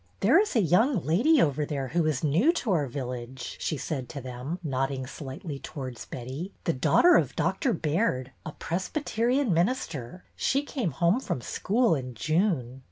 There is a young lady over there who is new to our village,'' she said to them, nodding slightly towards Betty, " the daughter of Dr. Baird, a Presbyterian minister. She came home from school in June."